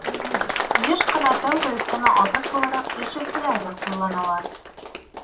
Йыш ҡына тәүге өҫтәмә аҙыҡ булараҡ йәшелсәләрҙе ҡулланалар.